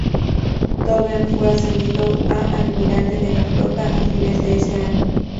Tovey fue ascendido a Almirante de la Flota a fines de ese año.